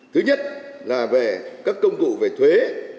thứ nhất là về các công cụ về thuế